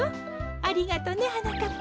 ありがとねはなかっぱ。